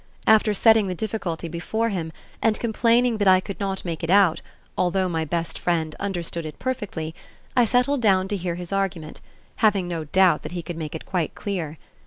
After setting the difficulty before him and complaining that I could not make it out, although my best friend "understood it perfectly," I settled down to hear his argument, having no doubt that he could make it quite clear.